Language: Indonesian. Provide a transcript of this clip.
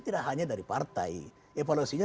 tidak hanya dari partai evaluasinya